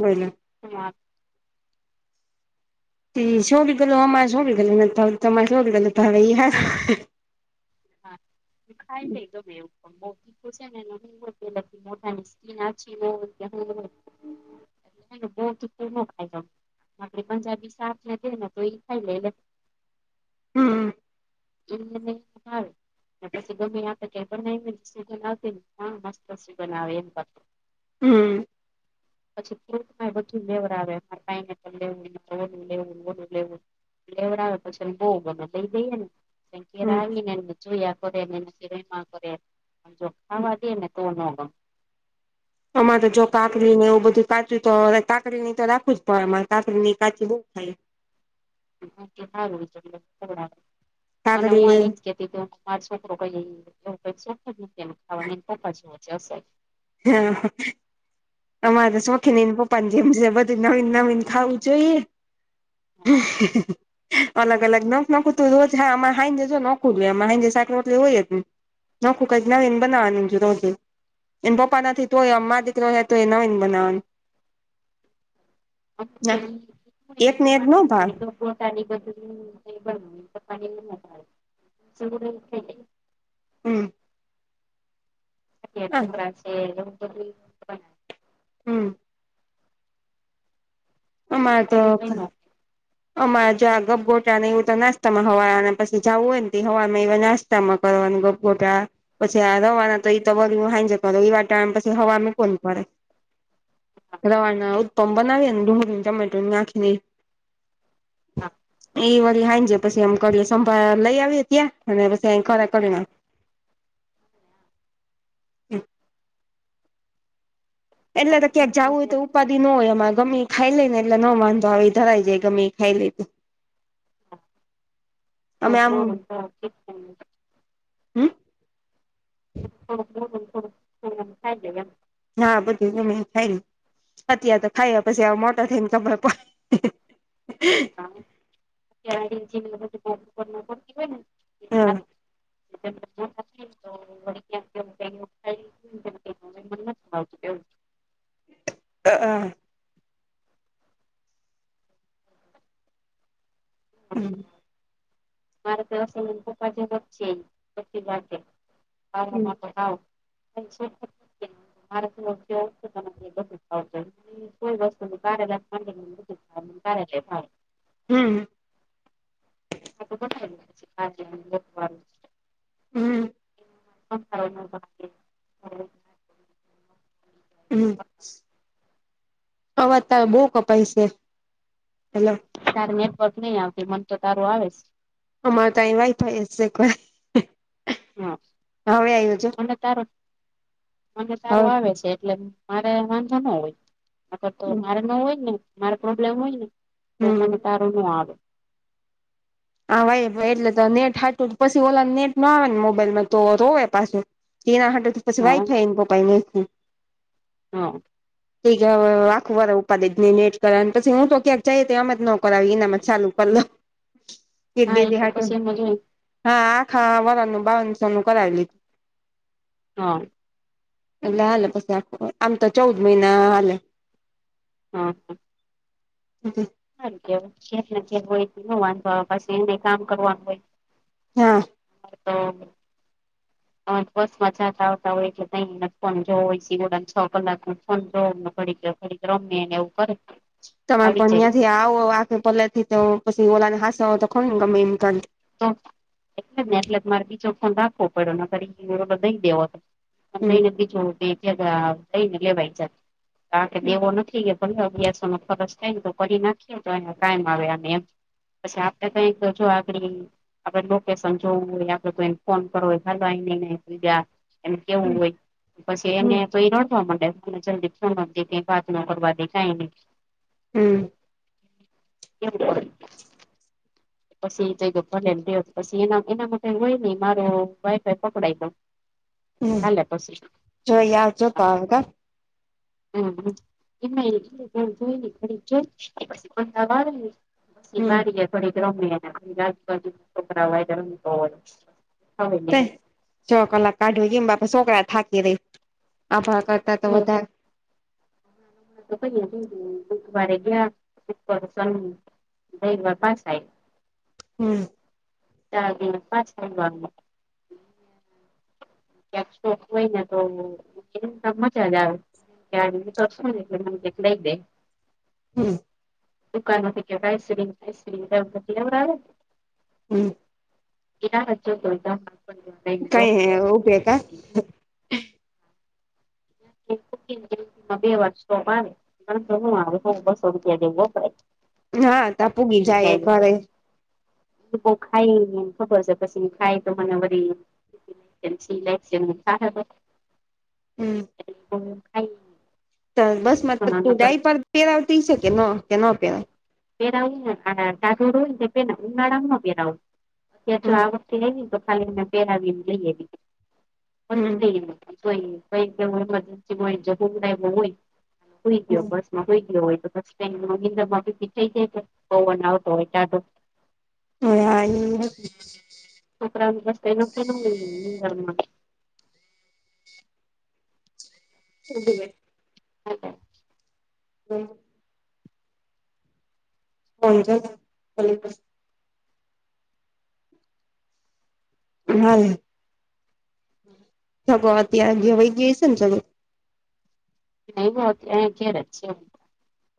બલો હા શો ભી ગ અમારે છો ભી ગ ન તોરે છો ભી ગ થ. હા ખાય છેઈ તો બેવું. [inaudible] બહ ન ફાયદો આપે પંજાબી સા ને તો એ ખાઈ લે એટલે હમ. એ હ [inaudible] શગ કેને હ મસ્ત સગના એમ [unintelligible] હમ. પછી ફ્રૂટ પણ બધું લેવરાવે પાઈનેપલ લેવું રે ઓડું લેવું ઓડું લેવું. લેવડ આવે પછીને બહુ મને લઈ દઈએ ને કે હમ આવી ને. જોયા કરે એ રમા કરે જો ખાવા દે ને તો ન ગ અમા તો જો કાકલી ને એવું બધું કાચું તો કાકડી ની તો રાખું જ પડે અરે કાકડી ની કાચું બઉુ ખાય. સારું છે મને કાકડી હું ચ કે [inaudible] છોકરો કહી શોખ જ નથી કે ખાવાનો આ છોકરો તો એના પપ્પા જેવો છે અસલ. હા અમારે શોખીને એને પપ્પા જેમ બધું નવીન નવીન ખાવું જોઈએ. હ અલગ અલગ નખ નખું તું રોજ હા અરે હાઈજે જો નખું હાઈે સાકટલી હોય જને નખું કઈક નાને બનાવવાની એને પપ્પા ના તોય અ દીકરી તો એનાન બનાવવાન. અ ના એક ને એક નો ભાવે [unintelligible] બોટાની બધલ બ તો પાણી સ થ [unintelligible] હમ [unintelligible] હમ અમાં તો અમા જં ગભગોટા ને એવું તો નાસ્તામાં હવા અને પછી જવું હોય ને હવામાં એ નાસ્તા ચ કરવાન ગપ ગોટ પછી આ રવાના તોઈ તો વાઈ જ કર વા ટમ પછી હવા મૂકો પડે. રવાના ઉત્પન્ન બનાવીએ ને ડુંગળીને ચમેટું નાખીને હા એ વળી હાઈ જે પછી એમ કરી સંભા લઈ આવીએ ત્યાં અને પછી ખરા કરીને. નાખીએ એટલે તો ક્યાંક જવું હોય તો ઉા ન હોય એમાં ગમે એ ખાઈ લે ને એટલે ન વાંધો આવી ધરાઈ જાય ગમે એ ખાઈ લે. તમે આમ હમ. [unintelligible] હા બધી થ અત્યારેાર તો ખાઈ પછી મોટો થઈને ખબ. અતતી હોયને [unintelligible] પડે બાને તો વળી ક્યાં [unintelligible] [unintelligible] અ અ હમ મારે તો અ પપ્પા જ જ છે પીવા માટે આવાવ મારેવ દખાવ કોઈ વસ્તુ ન કાર [unintelligible] હમ [unintelligible] હમ [unintelligible] હમ હવા ત બહ કપાય છે હેલો. તાર નેટવર્ક નહી આવતી મન તો તારું આવે છે. અમારે કઈ વાયફાઈ કો હા મને તારું મને હવે તારું આવે છે એટલે મારે વાંધા ન હોય અર તો મારે ન હોય ને મારે પ્રોબ્લેમ હોય ને તો હમ મને તારું નું આવે. હા ભાઈ એટલે તો નેટ હાટું પછી ઓલાને નેટ ના આવે ને મોબાઈલમાં તો રોવે પાછું. તેના હ પછી વાઈ હા થાય એને પપા એ. હમ [inaudible] આખું વાળ ઉપાડેજને નેટ કર પછી હું તો ક્યાંક જઈએ તો આમ જ ન કરાવી એનામત ચાલુ કરલો. હા એ તો પછી એમ જ હોય હા હા આખા વરણનું બાવનસો નું કરાવી લીધું. હા લ આલ પસ આમ તો ચૌદ મહિના આલ. હા હા હ કેને હોય ન વાંધો પછી એને કામ કરવાનું હોય. હા તો બસ માં જાતા આવતા હોય ત ફોન જો હોય સડા છ કલાક ન ફોન જો ઘડી. રમ્યને એવું કરે તમે પણ આવી જાય ત્યાંથી આવો આખે પલા થી તો પછી ઓલા ને હસ તો ખ ને ગમે એમ ક તો એટલે જ ને એટલે મારે બીજોખો રાખવો પડ્યોને ફરી દઈ દેવો હતો મંદઈ હમ નદી છોતીઈને લવાય છે કારા કે દેવો નથી કે ભલે અભ્યાસો ન ફરક કક તો કરી નાખીએ તો એને કાઈમ આવે એમ પછી આપડ કક જો આગડી આપડે લોકેશન જોવું હોય આપડે તો એ ફોન કરો હોય હાલઈજ એમ કેવું હમ હોય પછી એને હમ તો એ રોતવા માંડે અને જદીપ સમજે ક વા્ના કરવા દેખાય ન હમ એમ [unintelligible] પછી જઈ ગ લમ્યો પછી એના એના માટે હોય નહ મારો વાઈફ પકડઈ દઉ [inaudible] હ લ પસ હ જોઈ આવજો [unintelligible] તો [inaudible] હમ એને એ તૂયનેની પડીચ અ વાળ [unintelligible] પછી હમ વાડી થોડી રમે [unintelligible] ને રાજ કોકરા વાય છ કલાક કાઢો એમ બાપા છોકરા થાકી રહી આભ કરતા તો વધારે તો ભાઈયા દુખ બ ગયા સ [unintelligible] જૈ વા પા સાઈ હમ જ પા ટમ વા [unintelligible] ક્યાંકો હોય ને તો એજા જ આવે કેટલાઈે [unintelligible] હમ દુકાન માંથી કે આઈસકમ્રીમધી આવે [unintelligible] હમ કનાવચ કોલતા કઈ ઉભે કા [unintelligible] ક બે વાર સોપ આવે શું આવે તો બસો રૂપિયા જેવું વપરાય હા ત પૂગી જાય એક વાર પ ખાય ફજબસને ખાય તો મને વ જેશ લલે જ મુખ હવે હમ થ [unintelligible] બસ માં તું ડાયપ પહેરાવતી છે કે ન કે ન પહેરા પહેરાવું નેાઢોડું પ ઉનાળામાં પહેરાવું તં કલ્યાણ હમ પરા આવી્યમ લ એવી એ જોઈ કઈ હમ મરજન્સી હોય જવું એ હોયઈ ગયો બસ [unintelligible] મ હમ હો તો શ મ [unintelligible] છે બનાવતોટાઢો [unintelligible] હ [unintelligible] અરા રસ્ એનો કેમાં [unintelligible] એ [unintelligible] હા [unintelligible] હ [unintelligible] [inaudible] હા સગ ત્યાં જવાઈ ગય છે ને સગ ન બ કેરે